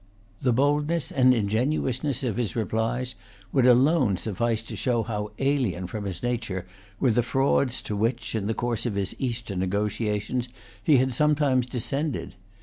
The boldness and ingenuousness of his replies would alone suffice to show how alien from his nature were the frauds to which, in the course of his Eastern negotiations, he had sometimes descended.